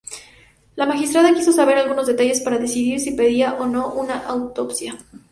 La magistrada quiso saber algunos detalles para decidir si pedía o no una autopsia.